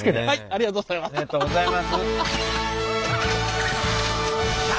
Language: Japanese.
ありがとうございます。